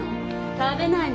食べないの？